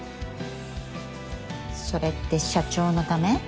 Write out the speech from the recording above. それって社長のため？